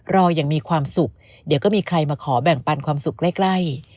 รออย่างมีความสุขเดี๋ยวก็มีใครมาขอแบ่งปันความสุขใกล้